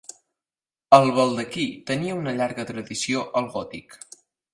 El baldaquí tenia una llarga tradició al gòtic.